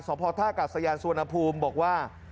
สมพันธ์ท่ากัดสะยานสวนภูมิบอกว่า